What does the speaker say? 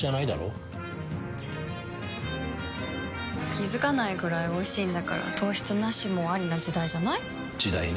気付かないくらいおいしいんだから糖質ナシもアリな時代じゃない？時代ね。